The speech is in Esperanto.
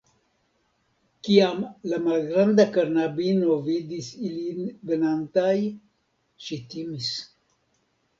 Kiam la malgranda knabino vidis ilin venantaj ŝi timis.